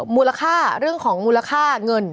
มูลค่าเรื่องของมูลค่าเงิน